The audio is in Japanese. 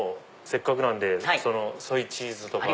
せっかくなんでソイチーズとか。